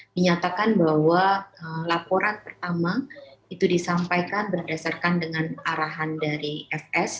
menyatakan bahwa laporan pertama itu disampaikan berdasarkan dengan arahan dari fs